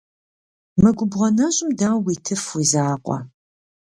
Мы губгъуэ нэщӀым дауэ уитыф уи закъуэу?